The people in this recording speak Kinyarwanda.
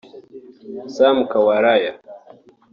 Sam Kawalya